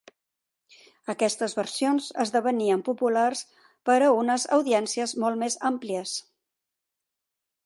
Aquestes versions esdevenien populars per a unes audiències molt més àmplies.